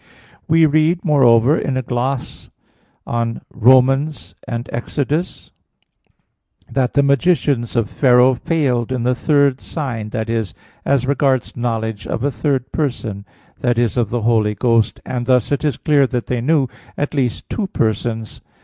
We read, moreover, in a gloss on Rom. 1 and Ex. 8 that the magicians of Pharaoh failed in the third sign that is, as regards knowledge of a third person i.e. of the Holy Ghost and thus it is clear that they knew at least two persons.